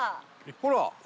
ほら！